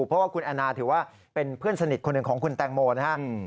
เพราะว่าคุณแอนนาถือว่าเป็นเพื่อนสนิทคนหนึ่งของคุณแตงโมนะครับ